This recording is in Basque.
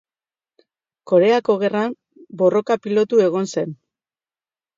Koreako Gerran borroka-pilotu egon zen.